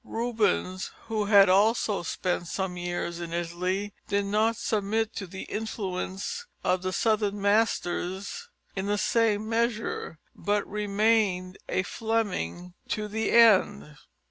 Rubens, who had also spent some years in Italy, did not submit to the influence of the southern masters in the same measure, but remained a Fleming to the end.